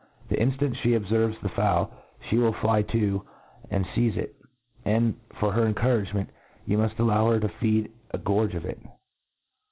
The inftant fee obCerves the fowl, fee will fly to arid feize it j and, for her encouragement, you muft allow her to feed a gorge of it.